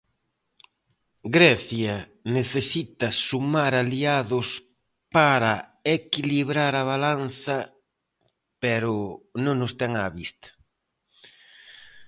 Grecia necesita sumar aliados para equilibrar a balanza pero non os ten á vista.